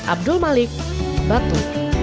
abdul malik batu